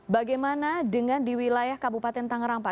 bagaimana dengan di wilayah kabupaten tangerang pak